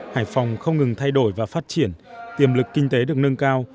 hải phòng không ngừng thay đổi và phát triển tiềm lực kinh tế được nâng cao